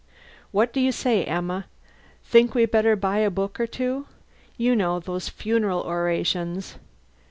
"What do you say, Emma, think we better buy a book or two? You know those 'Funeral Orations.'..."